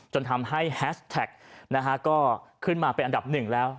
จนทำให้แฮชแท็กก็ขึ้นมาเป็นอันดับหนึ่งแล้ว